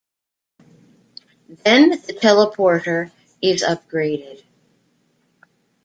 Then the teleporter is upgraded.